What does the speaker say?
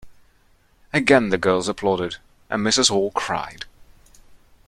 Again the girls applauded, and Mrs Hall cried.